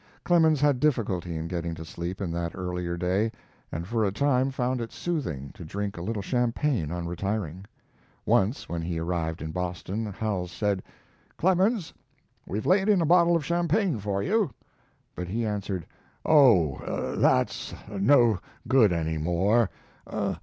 Clemens had difficulty in getting to sleep in that earlier day, and for a time found it soothing to drink a little champagne on retiring. Once, when he arrived in Boston, Howells said: "Clemens, we've laid in a bottle of champagne for you." But he answered: "Oh, that's no good any more.